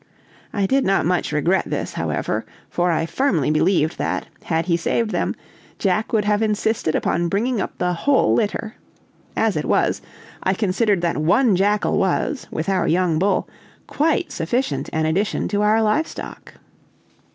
I did not much regret this, however, for I firmly believe that, had he saved them, Jack would have insisted upon bringing up the whole litter. As it was, I considered that one jackal was, with our young bull, quite sufficient an addition to our livestock.